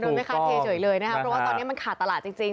แม่ค้าเทเฉยเลยนะครับเพราะว่าตอนนี้มันขาดตลาดจริง